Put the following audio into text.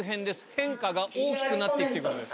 変化が大きくなっていくということです。